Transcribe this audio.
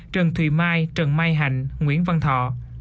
trần thùy mai trần mai hạnh nguyễn văn thọ